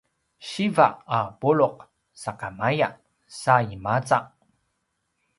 siva a pulu’ sakamaya sa i maza